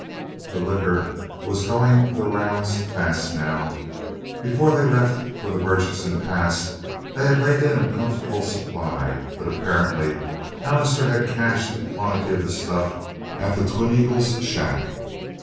The liquor was going the rounds fast, now. Before they left for the Murchison Pass they had laid in a comfortable supply, but apparently Allister had cached a quantity of the stuff at the Twin Eagles shack.